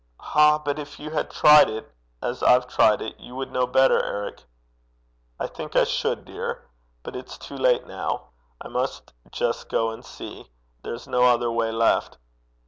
'Ah! but if you had tried it as I've tried it, you would know better, Eric.' 'I think I should, dear. But it's too late now. I must just go and see. There's no other way left.'